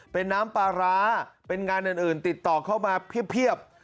เป็นน้ำปลาร้าเป็นงานอื่นติดต่อเข้ามาเพียบ